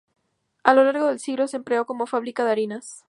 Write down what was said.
A lo largo del siglo, se empleó como fábrica de harinas.